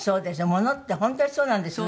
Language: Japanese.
物って本当にそうなんですよね。